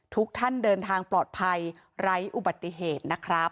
ทุกท่านเดินทางปลอดภัยไร้อุบัติเหตุนะครับ